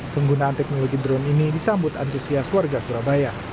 penggunaan teknologi drone ini disambut antusias warga surabaya